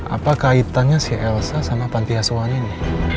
apa kaitannya si elsa sama pantiasuhan ini